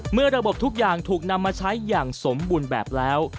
เมื่อระบบทุกอย่างถูกนำมาใช้อย่างสมบูรณ์แบบแล้ว